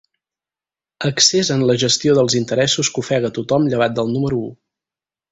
Excés en la gestió dels interessos que ofega tothom llevat del número u.